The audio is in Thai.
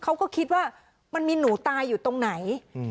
เขาก็คิดว่ามันมีหนูตายอยู่ตรงไหน